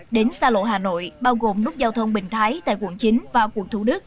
đến xa lộ hà nội bao gồm nút giao thông bình thái tại quận chín và quận thủ đức